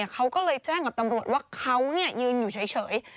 เขาก็เลยแจ้งกับตำรวจว่าเขายืนอยู่เฉย